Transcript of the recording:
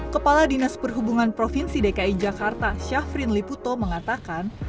kepala dinas perhubungan provinsi dki jakarta syafrin liputo mengatakan